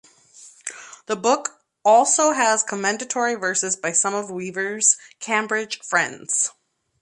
The book also has commendatory verses by some of Weever's Cambridge friends.